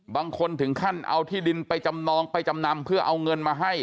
บางคนถึงขั้นเอาที่ดินไปจำนองไปจำนำเพื่อเอาเงินมาให้